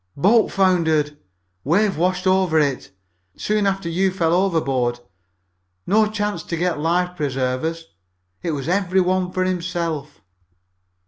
"Boat foundered. Wave washed over it soon after you fell overboard. No chance to get life preservers. It was every one for himself."